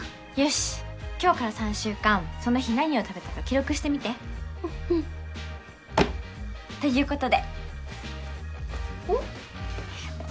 しっ今日から３週間その日何を食べたか記録してみてうんということでおっ？